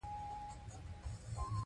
دا مهارتونه په ټولنیز تنظیم کې مرسته کوي.